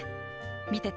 見てて。